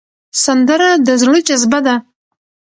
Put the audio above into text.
سندره د زړه جذبه ده